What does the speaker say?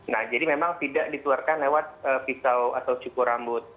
nah jadi memang tidak dituarkan lewat pisau atau cukur rambut